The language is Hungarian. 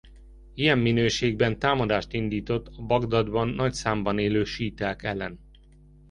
Ilyen minőségben támadást indított a Bagdadban nagy számban élő síiták ellen.